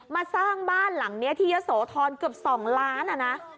มาสร้างบ้านหลังนี้ที่เยอะโสธรเกือบ๒ล้านนะ